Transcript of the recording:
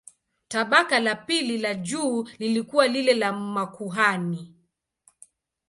Tabaka la pili la juu lilikuwa lile la makuhani.